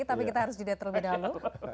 tapi kita harus jeda terlebih dahulu